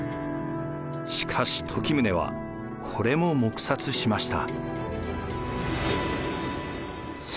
しかし時宗はこれも黙殺しました。